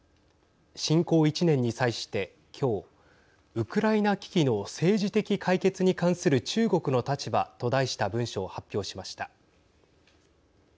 侵攻１年に際して今日、ウクライナ危機の政治的解決に関する中国の立場と題した文書を発表しました。